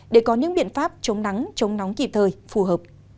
để có những biện pháp chống nắng chống nóng kịp thời phù hợp